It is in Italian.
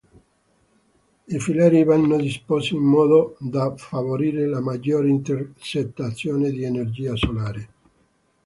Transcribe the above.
I filari vanno disposti in modo da favorire la maggiore intercettazione di energia solare.